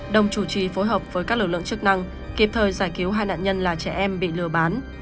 đồng chủ trì phối hợp với các lực lượng chức năng kịp thời giải cứu hai nạn nhân là trẻ em bị lừa bán